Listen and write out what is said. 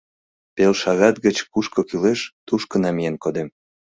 Пел шагат гыч кушко кӱлеш, тушко намиен кодем.